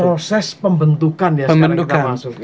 proses pembentukan ya sekarang kita masukin